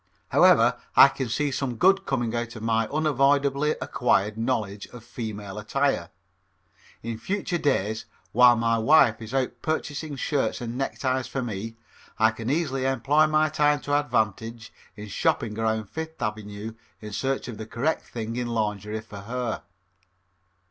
However, I can see some good coming out of my unavoidably acquired knowledge of female attire. In future days, while my wife is out purchasing shirts and neckties for me, I can easily employ my time to advantage in shopping around Fifth Avenue in search of the correct thing in lingerie for her.